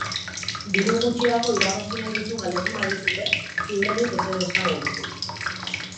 Diru gutxiago irabazi nahi duzun galdetzen badizute, ziurrenik ezetz esango duzu.